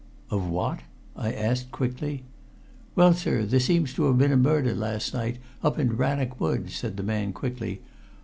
"Of what?" I asked quickly. "Well, sir, there seems to have been a murder last night up in Rannoch Wood," said the man quickly.